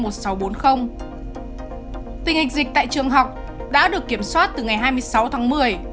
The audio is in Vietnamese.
tình hình dịch tại trường học đã được kiểm soát từ ngày hai mươi sáu tháng một mươi